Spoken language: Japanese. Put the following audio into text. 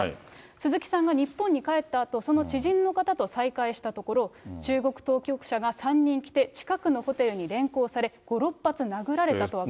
鈴木さんが日本に帰ったあと、その知人の方と再会したところ、中国当局者が３人来て、近くのホテルに連行され、５、６発殴られたと明かしたと。